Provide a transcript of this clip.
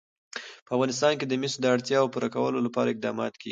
په افغانستان کې د مس د اړتیاوو پوره کولو لپاره اقدامات کېږي.